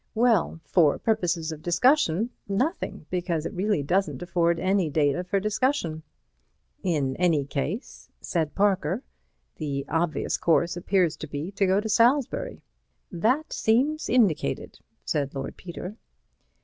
Well, for purposes of discussion, nothing, because it really doesn't afford any data for discussion." "In any case," said Parker, "the obvious course appears to be to go to Salisbury." "That seems indicated," said Lord Peter.